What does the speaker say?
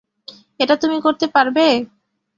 এটা তুমি করতে পারবে?